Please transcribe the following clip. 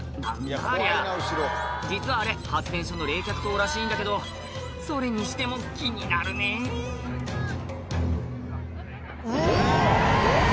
ありゃ実はあれ発電所の冷却塔らしいんだけどそれにしても気になるねぇうわ！